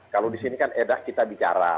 kalau di sini kan edak kita bicara